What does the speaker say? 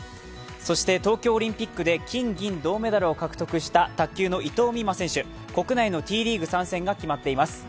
そして、東京オリンピックで金・銀・銅メダルを獲得した卓球の伊藤美誠選手、国内のＴリーグ参戦が決まっています。